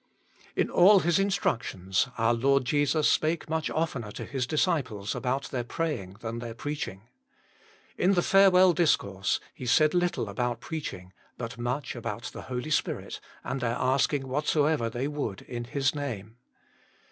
In all His instructions, our Lord Jesus spake much oftener to His disciples about their praying than their preaching. In the farewell discourse, He said little about preaching, but much about the Holy Spirit, and their asking whatsoever they would in His Name.